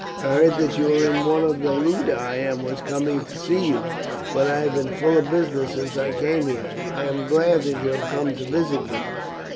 "I heard that you were in one of the ludi and was coming to see you, but I have been full of business since I came here. I am glad that you have come to visit me."